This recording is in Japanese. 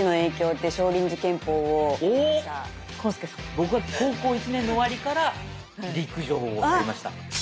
僕は高校１年の終わりから陸上をやりました。